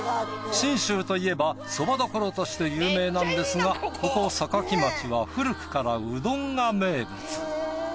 信州といえばそば処として有名なんですがここ坂城町は古くからうどんが名物。